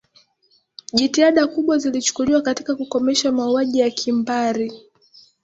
jitihada kubwa zilichukuliwa katika kukomesha mauaji ya kimbari